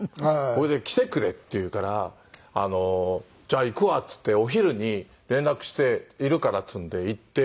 それで「来てくれ」って言うから「じゃあ行くわ」っつってお昼に連絡して「いるから」って言うんで行って。